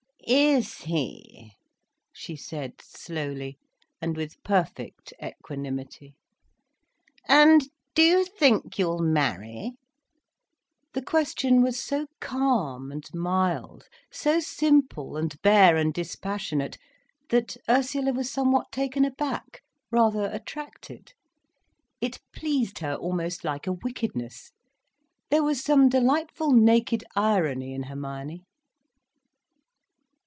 "Is he?" she said slowly, and with perfect equanimity. "And do you think you will marry?" The question was so calm and mild, so simple and bare and dispassionate that Ursula was somewhat taken aback, rather attracted. It pleased her almost like a wickedness. There was some delightful naked irony in Hermione.